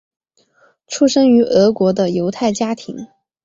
出生于俄国的犹太家庭。